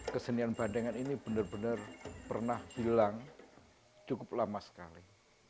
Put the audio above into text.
kesenian bandengan ini benar benar pernah bilang cukup lama sekali